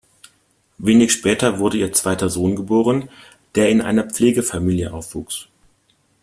Wenig später wurde ihr zweiter Sohn geboren, der in einer Pflegefamilie aufwuchs.